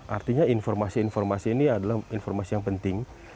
artinya informasi informasi ini adalah informasi yang penting